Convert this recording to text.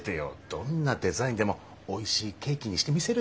どんなデザインでもおいしいケーキにしてみせるよ。